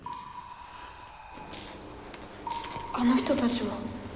あの人たちは？